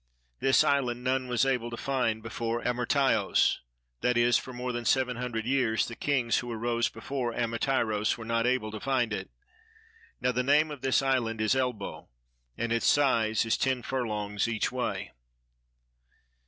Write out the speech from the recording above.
This island none was able to find before Amyrtaios; that is, for more than seven hundred years the kings who arose before Amyrtaios were not able to find it. Now the name of this island is Elbo, and its size is ten furlongs each way.